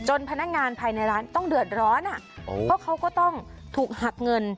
พนักงานภายในร้านต้องเดือดร้อนเพราะเขาก็ต้องถูกหักเงิน